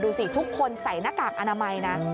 สิทุกคนใส่หน้ากากอนามัยนะ